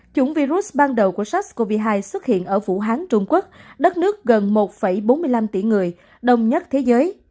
chủng virus ban đầu của sars cov hai xuất hiện ở phủ hán trung quốc đất nước gần một bốn mươi năm tỷ người